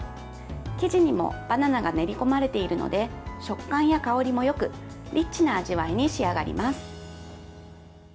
生地にもバナナが練り込まれているので食感や香りもよくリッチな味わいに仕上がります。